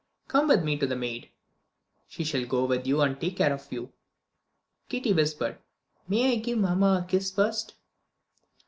"Come with me to the maid; she shall go with you, and take care of you." Kitty whispered, "May I give mamma a kiss first?"